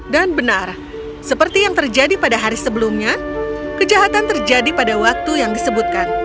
dan benar seperti yang terjadi pada hari sebelumnya kejahatan terjadi pada waktu yang disebutkan